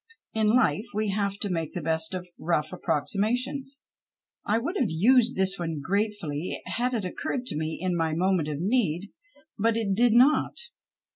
In life we have to make the best of rough approximations. I would have used this one gratefully had it occurred to me in my moment of need. But it did not.